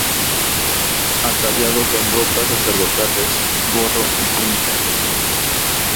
Ataviado con ropas sacerdotales, gorro y túnica.